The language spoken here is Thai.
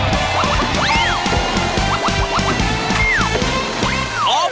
อ๋อประจอบ